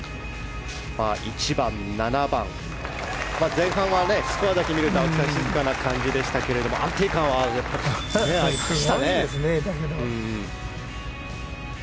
１番、７番前半はスコアだけ見ると静かな感じでしたが安定感はありましたね。